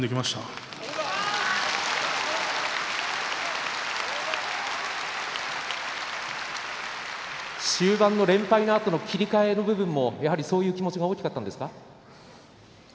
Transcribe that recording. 拍手終盤の連敗のあとの切り替えの部分も、そういう気持ちが大きかったんですか。